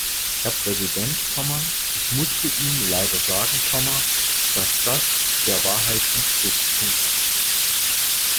Herr Präsident, ich musste ihm leider sagen, dass das der Wahrheit entspricht.